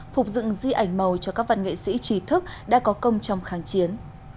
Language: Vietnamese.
phục dựng di ảnh màu cho các văn nghệ sĩ trí thức đã có công trong kháng chiến